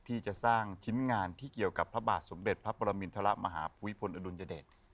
ที่จะสร้างชิ้นงานที่เกี่ยวกับพระบาทสมเด็จพระปรมินทรมาหาภูมิพลอดุลยเดช